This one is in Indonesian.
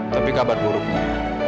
tapi kabar buruknya